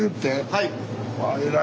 はい。